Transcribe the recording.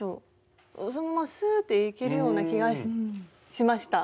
そのまますっていけるような気がしました。